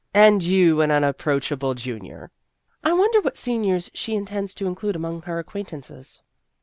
" And you an unapproachable junior !"" I wonder what seniors she intends to include among her acquaintances.